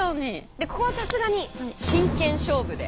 でここはさすがに真剣勝負で。